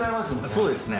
そうですね。